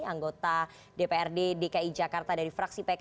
anggota dprd dki jakarta dari fraksi pks